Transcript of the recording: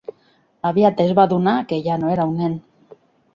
Aviat es va adonar que ja no era un nen.